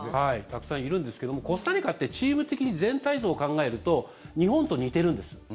たくさんいるんですけれどもコスタリカってチーム的に全体像を考えると日本と似てるんです。